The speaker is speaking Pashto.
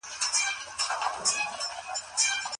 ایا پانګوال د نوو پروژو د پیلولو توان لري؟